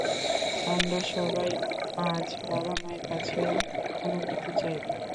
আমরা সবাই আজ বাবা-মায়ের কাছে অনুমতি চাইব।